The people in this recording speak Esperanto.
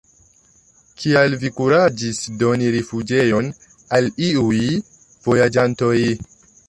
Kial vi kuraĝis doni rifuĝejon al iuj vojaĝantoj?